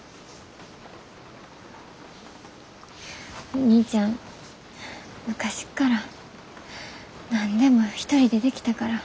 お兄ちゃん昔から何でも一人でできたから。